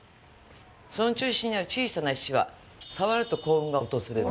その中心にある小さな石は触ると幸運が訪れる。